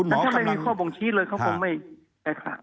ถ้าไม่มีข้อบงที่เลยเขาคงไม่ได้ผ่าออก